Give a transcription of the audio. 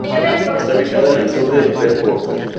Está ubicada a al sur de Belfort.